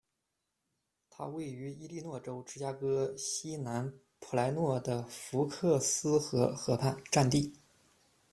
它位于伊利诺州芝加哥西南普莱诺的福克斯河河畔，占地。